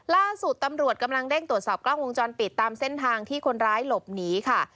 ล่าสุดตำรวจกำลังเร่งตรวจสอบกล้องวงจรปิดตามเส้นทางที่คนร้ายหลบหนีค่ะ